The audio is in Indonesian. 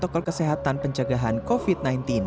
protokol kesehatan pencegahan covid sembilan belas